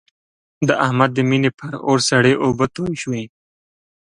د احمد د مینې پر اور سړې اوبه توی شوې.